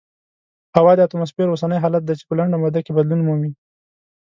هوا د اتموسفیر اوسنی حالت دی چې په لنډه موده کې بدلون مومي.